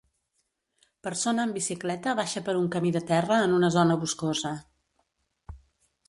Persona en bicicleta baixa per un camí de terra en una zona boscosa